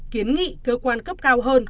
kiến nghị cơ quan cấp cao hơn